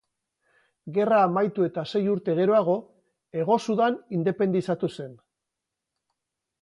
Gerra amaitu eta sei urte geroago Hego Sudan independizatu zen.